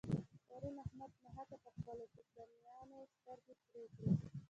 پرون احمد ناحقه پر خپلو کوشنيانو سترګې سرې کړې.